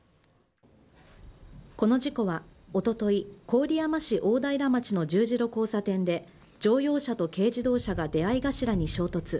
この事故はおととい郡山市大平町の十字路交差点で乗用車と軽自動車が出合い頭に衝突。